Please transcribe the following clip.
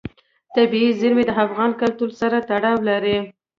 طبیعي زیرمې د افغان کلتور سره تړاو لري.